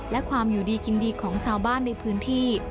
และความอยู่ดีกินดีของชาวบ้านในพื้นที่